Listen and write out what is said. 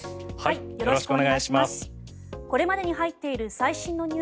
よろしくお願いします。